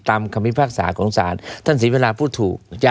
คำพิพากษาของศาลท่านศรีเวลาพูดถูก